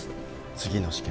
次の試験